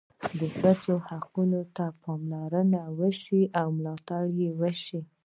د ښځو حقوقو ته پاملرنه وشوه او ملاتړ یې وشو.